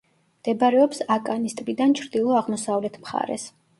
მდებარეობს აკანის ტბიდან ჩრდილო-აღმოსავლეთ მხარეს.